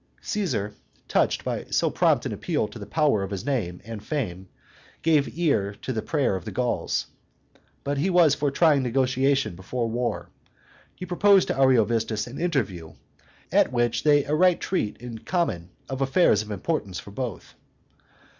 Caesar, touched by so prompt an appeal to the power of his name and fame gave ear to the prayer of the Gauls. But he was for trying negotiation before war. He proposed to Ariovistus an interview "at which they aright treat in common of affairs of importance for both."